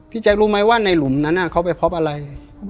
แจ๊ครู้ไหมว่าในหลุมนั้นเขาไปพบอะไร